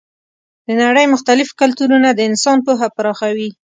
د نړۍ مختلف کلتورونه د انسان پوهه پراخوي.